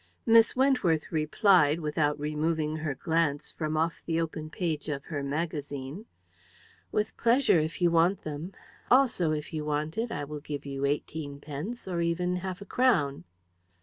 Miss Wentworth replied, without removing her glance from off the open page of her magazine "With pleasure if you want them. Also, if you want it, I will give you eighteenpence or even half a crown."